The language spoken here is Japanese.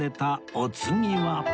お次は